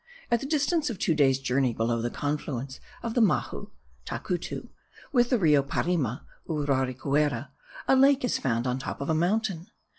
"At the distance of two days' journey below the confluence of the Mahu (Tacutu) with the Rio Parima (Uraricuera) a lake is found on top of a mountain.